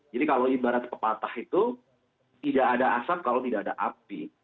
jadi kalau ibarat pepatah itu tidak ada asap kalau tidak ada api